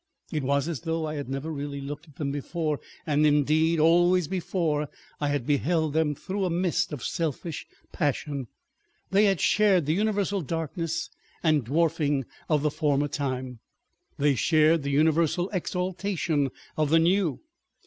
It was as though I had never really looked at them before, and, indeed, always before I had beheld them through a mist of selfish passion. They had shared the universal darkness and dwarfing of the former time; they shared the universal exaltation of the new.